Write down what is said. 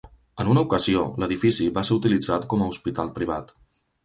En una ocasió, l'edifici va ser utilitzat com a hospital privat.